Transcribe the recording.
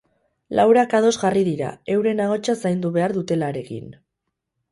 Laurak ados jarri dira, euren ahotsa zaindu behar dutelarekin.